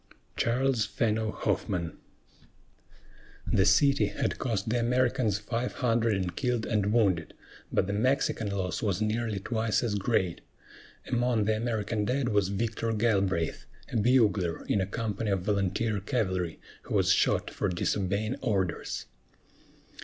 CHARLES FENNO HOFFMAN. The city had cost the Americans five hundred in killed and wounded; but the Mexican loss was nearly twice as great. Among the American dead was Victor Galbraith, a bugler in a company of volunteer cavalry, who was shot for disobeying orders.